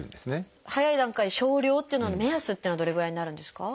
早い段階で少量っていうのの目安というのはどれぐらいになるんですか？